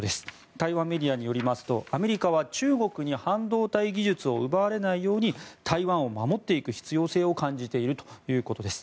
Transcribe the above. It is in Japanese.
台湾メディアによりますとアメリカは、中国に半導体技術を奪われないように台湾を守っていく必要性を感じているということです。